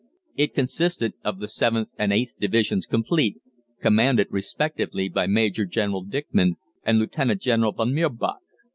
It consisted of the 7th and 8th Divisions complete, commanded respectively by Major General Dickmann and Lieutenant General von Mirbach.